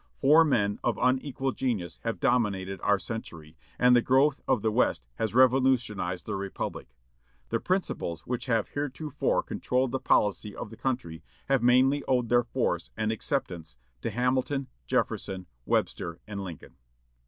Four men of unequal genius have dominated our century, and the growth of the West has revolutionized the republic. The principles which have heretofore controlled the policy of the country have mainly owed their force and acceptance to Hamilton, Jefferson, Webster, and Lincoln.